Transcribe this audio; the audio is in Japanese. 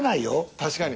確かに。